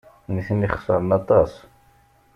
Nitni xeṣren aṭas.